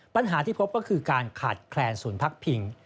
ปัญหาที่พบก็คือการขาดแคลนศูนย์พักพิง